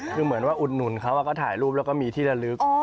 คือเหมือนว่าอุดหนุนเขาก็ถ่ายรูปแล้วก็มีที่ระลึก